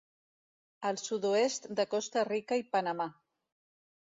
Al sud-oest de Costa Rica i Panamà.